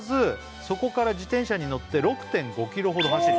「そこから自転車に乗って６．５ｋｍほど走り」